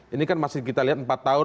ini kan masih kita lihat empat tahun